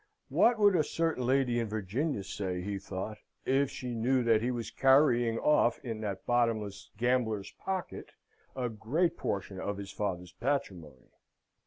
What would a certain lady in Virginia say, he thought, if she knew that he was carrying off in that bottomless gambler's pocket a great portion of his father's patrimony?